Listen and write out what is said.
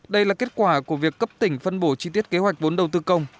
đây là kết quả của việc cấp tỉnh phân bổ chi tiết kế hoạch vốn đầu tư công